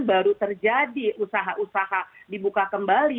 baru terjadi usaha usaha dibuka kembali